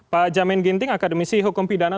pak jamin ginting akademisi hukum pidana